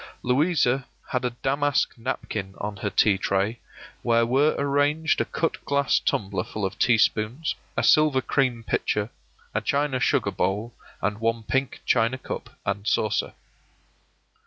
Louisa had a damask napkin on her tea tray, where were arranged a cut glass tumbler full of teaspoons, a silver cream pitcher, a china sugar bowl, and one pink china cup and saucer.